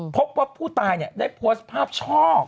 พบว่าผู้ตายได้โพสต์ภาพช่อ